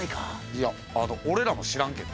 いやあの俺らも知らんけど。